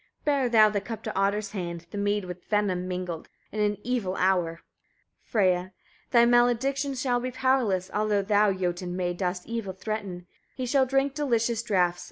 Bear thou the cup to Ottar's hand, the mead with venom mingled, in an evil hour! Freyia. 48. Thy malediction shall be powerless; although thou, Jotun maid! dost evil threaten. He shall drink delicious draughts.